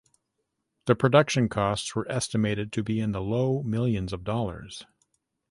The production costs were estimated to be in the low millions of dollars.